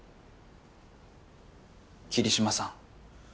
桐島さん